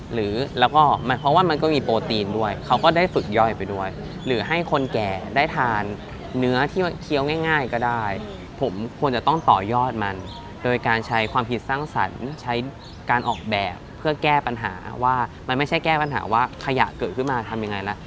หรือแล้วก็หมายความว่ามันก็มีโปรตีนด้วยเขาก็ได้ฝึกย่อยไปด้วยหรือให้คนแก่ได้ทานเนื้อที่เคี้ยวง่ายก็ได้ผมควรจะต้องต่อยอดมันโดยการใช้ความผิดสร้างสรรค์ใช้การออกแบบเพื่อแก้ปัญหาว่ามันไม่ใช่แก้ปัญหาว่าขยะเกิดขึ้นมาทำยังไงล่ะ